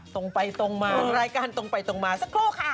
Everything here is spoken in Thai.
ตรงไปตรงมารายการละทั้งไปตรงมาสักโค่ค่ะ